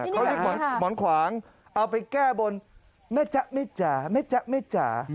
เขาเรียกหมอนขวางเอาไปแก้บนแม่จ๊ะแม่จ๋าแม่จ๊ะแม่จ๋า